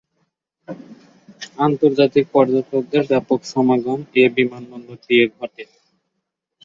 আন্তর্জাতিক পর্যটকদের ব্যাপক সমাগম এ বিমানবন্দর দিয়ে ঘটে।